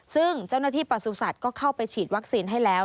ซึ่งเจ้าหน้าที่ประสุทธิ์ก็เข้าไปฉีดวัคซีนให้แล้ว